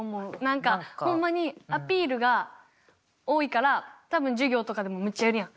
何かホンマにアピールが多いから多分授業とかでもむっちゃやるやん。